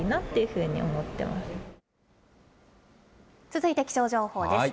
続いて気象情報です。